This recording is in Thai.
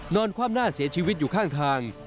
ความหน้าเสียชีวิตอยู่ข้างทาง